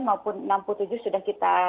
maupun enam puluh tujuh sudah kita